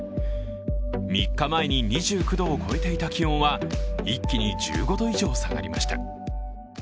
３日前に２９度を超えていた気温は一気に１５度以上、下がりました。